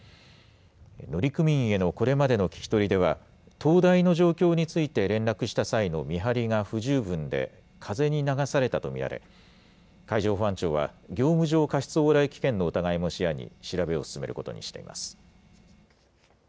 乗組員へのこれまでの聞き取りでは、灯台の状況について連絡した際の見張りが不十分で風に流されたと見られ、海上保安庁は、業務上過失往来危険の疑いも視野に、調べを進めることにしています。